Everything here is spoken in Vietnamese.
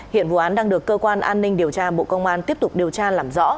hiện vụ án đang được cơ quan an ninh điều tra bộ công an tiếp tục điều tra làm rõ